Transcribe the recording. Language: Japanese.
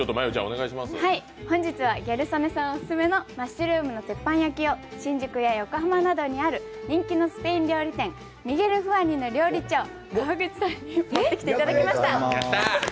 本日はギャル曽根さんオススメのマッシュルームの鉄板焼きを新宿や横浜などにある人気のスペイン料理店、ミゲルフアニの料理長、川口さんに持ってきていただきました。